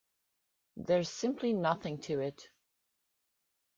There's simply nothing to it.